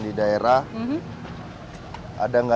jadi kita seretan di ibu